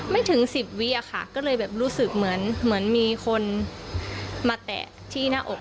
ไม่ถึงสิบวิอะค่ะก็เลยแบบรู้สึกเหมือนเหมือนมีคนมาแตะที่หน้าอก